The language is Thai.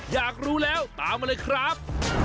อยากรู้แล้วตามมาเลยครับ